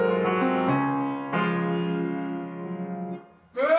うわ！